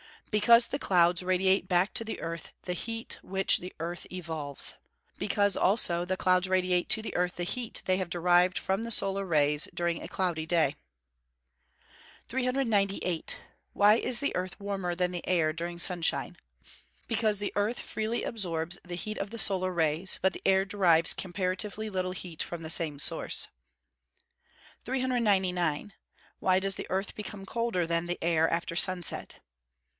_ Because the clouds radiate back to the earth the heat which the earth evolves? Because, also, the clouds radiate to the earth the heat they have derived from the solar rays during a cloudy day. 398. Why is the earth warmer than the air during sunshine? Because the earth freely absorbs the heat of the solar rays; but the air derives comparatively little heat from the same source. 399. _Why does the earth become colder than the air after sunset?